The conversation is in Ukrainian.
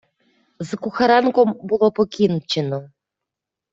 З Кухаренком було покінчено.